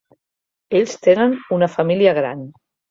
Ells tenen una família gran.